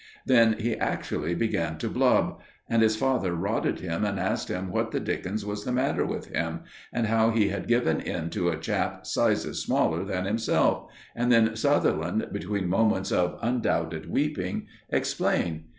Then he actually began to blub; and his father rotted him and asked him what the dickens was the matter with him, and how he had given in to a chap sizes smaller than himself, and then Sutherland, between moments of undoubted weeping explained.